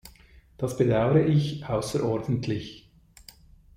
Das bedauere ich außerordentlich.